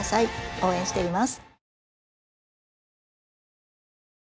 応援しています。